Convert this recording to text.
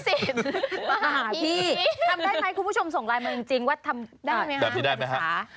มาหาพี่ทำได้ไหมคุณผู้ชมส่งไลน์มาจริงว่าทำได้ไหมคะ